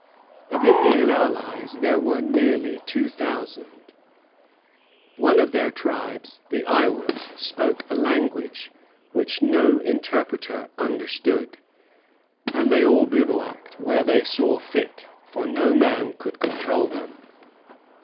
Of Indian allies there were nearly two thousand. One of their tribes, the Iowas, spoke a language which no interpreter understood; and they all bivouacked where they saw fit: for no man could control them.